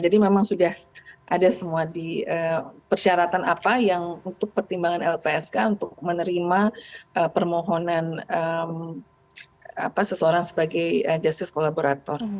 jadi memang sudah ada semua di persyaratan apa yang untuk pertimbangan lpsk untuk menerima permohonan seseorang sebagai jasis kolaborator